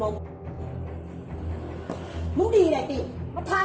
อาหารที่สุดท้าย